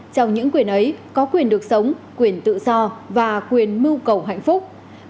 trong những quyền ấy có quyền được sống quyền tự do và quyền mưu cầu hạnh phúc